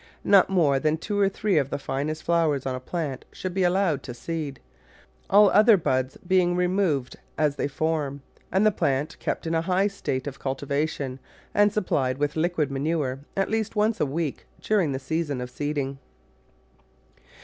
Not more than two or three of the finest flowers on a plant should be allowed to seed, all other buds being removed as they form, and the plants kept in a high state of cultivation and supplied with liquid manure at least once a week during the season of seeding.